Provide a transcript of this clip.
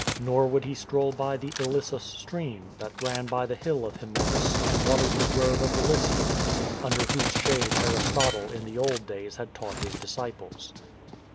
Nor would he stroll by the Ilissus stream, that ran by the Hill of Hymettus and watered the Grove of the Lyceum, under whose shade Aristotle in the old days had taught his disciples.